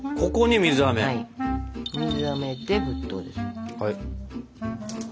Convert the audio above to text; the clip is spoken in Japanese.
水あめで沸騰ですよ。